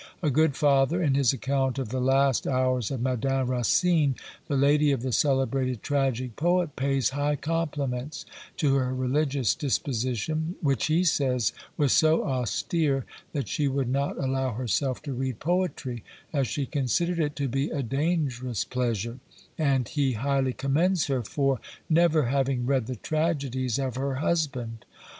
A good father, in his account of the last hours of Madame Racine, the lady of the celebrated tragic poet, pays high compliments to her religious disposition, which, he says, was so austere, that she would not allow herself to read poetry, as she considered it to be a dangerous pleasure; and he highly commends her for never having read the tragedies of her husband!